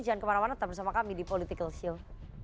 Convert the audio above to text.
jangan kemana mana tetap bersama kami di political show